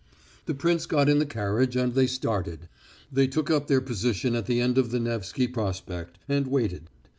The prince got in the carriage, and they started. They took up their position at the end of the Nevsky Prospect, and waited.